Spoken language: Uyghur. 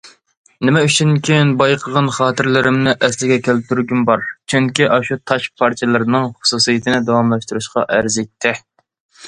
نېمە ئۈچۈنكىن بايقىغان خاتىرىلىرىمنى ئەسلىگە كەلتۈرگۈم بار، چۈنكى ئاشۇ تاش پارچىلىرىنىڭ خۇسۇسىيىتىنى داۋاملاشتۇرۇشقا ئەرزىيتتى.